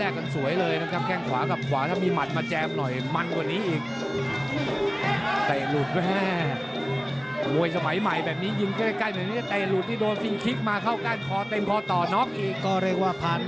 เอาล่ะตอนนี้รุ่นใหญ่๑๓๗ปอนด์ได้เสียสนุกแน่นอน